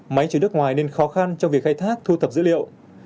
máy chuyển đất ngoài nên khó khăn trong việc khai thác thu thập dữ liệu